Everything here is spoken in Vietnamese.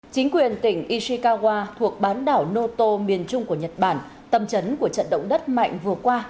chính quyền tỉnh ishikawa thuộc bán đảo noto miền trung của nhật bản tầm chấn của trận động đất mạnh vừa qua